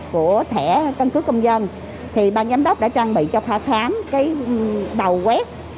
của thẻ căn cứ công dân thì ban giám đốc đã trang bị cho khóa khám cái đầu quét